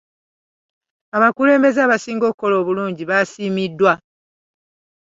Abakulembeze abaasinga okukola obulungi baasiimiddwa.